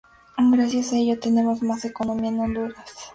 Gracias a ello, tenemos más economía en Honduras.